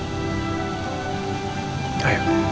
abang malah boyabel ama kara earbuds